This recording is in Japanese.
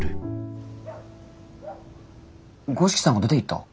五色さんが出ていった？